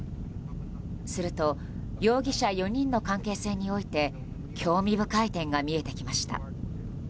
すると容疑者４人の関係性において興味深い点が見えてきました。